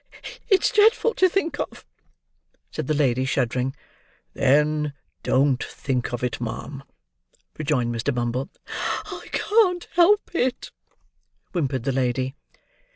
"It's dreadful to think of!" said the lady, shuddering. "Then don't think of it, ma'am," rejoined Mr. Bumble. "I can't help it," whimpered the lady.